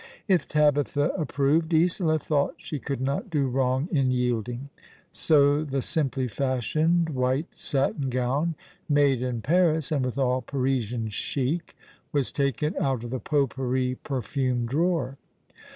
If Tabitha approved, Isola thought she could not do wrong in yielding ; so the simply fashioned white satin gown — made in Paris, and with all Parisian cliic — was taken out of the pot pourri perfumed drawer.